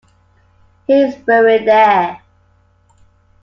He is buried there.